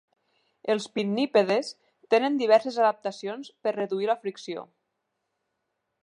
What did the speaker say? Els pinnípedes tenen diverses adaptacions per reduir la fricció.